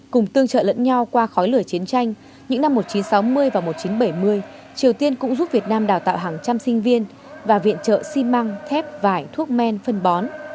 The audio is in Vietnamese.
cùng tương trợ lẫn nhau qua khói lửa chiến tranh những năm một nghìn chín trăm sáu mươi và một nghìn chín trăm bảy mươi triều tiên cũng giúp việt nam đào tạo hàng trăm sinh viên và viện trợ xi măng thép vải thuốc men phân bón